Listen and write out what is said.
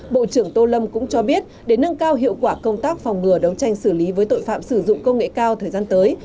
bộ trưởng tô lâm cũng cho biết để nâng cao hiệu quả công tác phòng ngừa đấu tranh xử lý với tội phạm sử dụng công nghệ cao thời gian tới